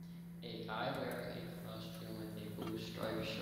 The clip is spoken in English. A guy wearing a costume with a blue striped shirt